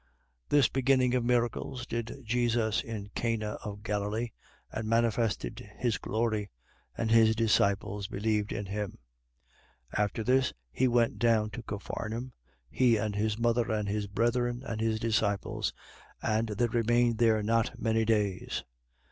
2:11. This beginning of miracles did Jesus in Cana of Galilee and manifested his glory. And his disciples believed in him. 2:12. After this, he went down to Capharnaum, he and his mother and his brethren and his disciples: and they remained there not many days.